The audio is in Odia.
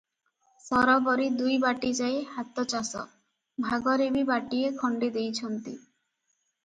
ସରବରି ଦୁଇ ବାଟିଯାଏ ହାତଚାଷ, ଭାଗରେ ବି ବାଟିଏ ଖଣ୍ଡେ ଦେଇଛନ୍ତି ।